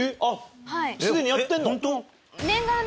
すでにやってるの？